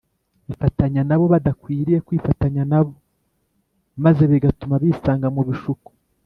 bifatanya n’abo badakwiriye kwifatanya nabo, maze bigatuma bisanga mu bishuko